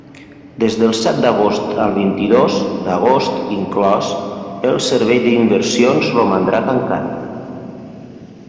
Des del set d'agost al vint-i-dos d'agost inclòs el Servei d'Inversions romandrà tancat.